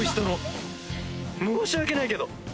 申し訳ないけど。